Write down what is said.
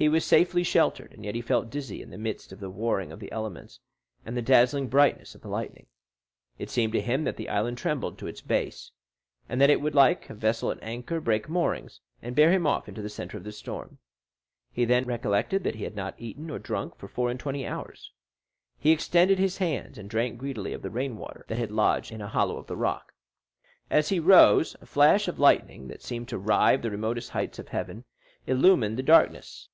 He was safely sheltered, and yet he felt dizzy in the midst of the warring of the elements and the dazzling brightness of the lightning. It seemed to him that the island trembled to its base, and that it would, like a vessel at anchor, break moorings, and bear him off into the centre of the storm. He then recollected that he had not eaten or drunk for four and twenty hours. He extended his hands, and drank greedily of the rainwater that had lodged in a hollow of the rock. As he rose, a flash of lightning, that seemed to rive the remotest heights of heaven, illumined the darkness.